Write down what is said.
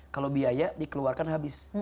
kalau biaya dikeluarkan habis